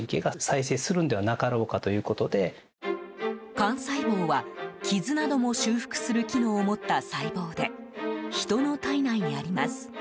幹細胞は傷なども修復する機能を持った細胞で人の体内にあります。